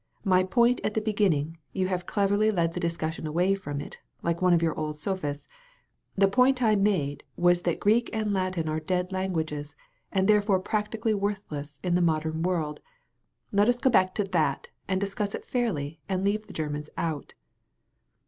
My point at the begin ning — you have cleverly led the discussion away from it, like one of your old sophists — ^the point I made was that Greek and Latin are dead languages, and therefore practically worthless in the modem world. Let us go back to that and discuss it fairly and leave the Grermans out."